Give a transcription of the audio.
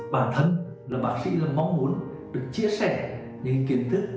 bản thân bác sĩ mong muốn được chia sẻ cho chiến thức